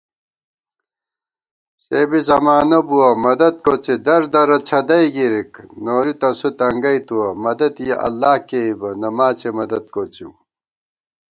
سےبی زمانہ بُوَہ، مددکوڅی دردرہ څھدَئی گِرِک * نوری تسُو تنگَئ تُوَہ، مدد یَہ اللہ کېئیبہ، نماڅےمدد کوڅِئیؤ